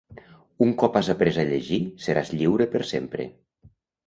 'Un cop has après a llegir, seràs lliure per sempre'.